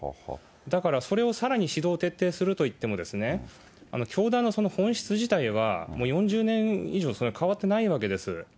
だから、それをさらに指導を徹底するといっても、教団のその本質自体は、もう４０年以上、変わってないわけです。